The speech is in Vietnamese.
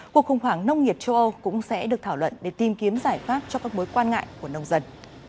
cuộc khủng hoảng nông nghiệp châu âu cũng sẽ được thảo luận để tìm kiếm giải pháp cho các mối quan ngại của nông dân